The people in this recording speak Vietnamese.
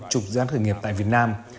chục gián khởi nghiệp tại việt nam